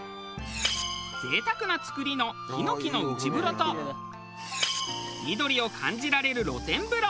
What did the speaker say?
贅沢な造りの檜の内風呂と緑を感じられる露天風呂。